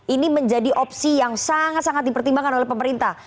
ini menjadi opsi yang sangat sangat dipertimbangkan oleh pemerintah